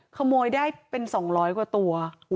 ขโมยได้เป็น๒๐๐กว่าตัว